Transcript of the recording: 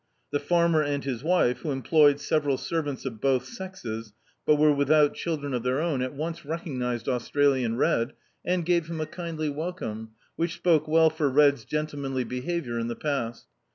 The farmer and his wife, who employed several servants of both sexes, but were widiout children of their [77l D,i.,.db, Google The Autobiography of a Super Tramp own, at once recognised Australian Red, and gave him a kindly welcome, which spoke well for Red's gentlemanly behaviour in the past.